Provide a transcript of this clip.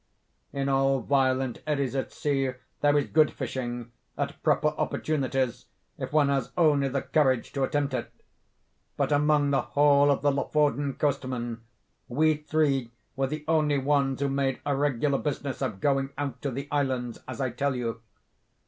In all violent eddies at sea there is good fishing, at proper opportunities, if one has only the courage to attempt it; but among the whole of the Lofoden coastmen, we three were the only ones who made a regular business of going out to the islands, as I tell you.